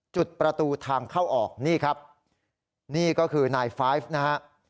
จุดประตูทางเข้าออกนี่ครับนี่ก็คือนายไฟฟ์นะฮะ